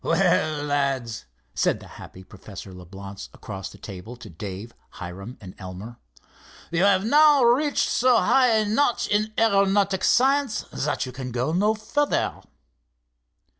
"Well, lads," said the happy Professor Leblance across the table to Dave, Hiram and Elmer, "you have now reached so high a notch in aeronautic science that you can go no further."